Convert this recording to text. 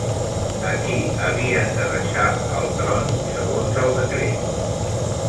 A qui havien de deixar el tron segons el decret?